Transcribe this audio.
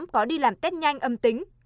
có đi làm test nhanh âm tính